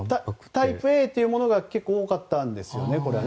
タイプＡというのが結構、多かったんですよね。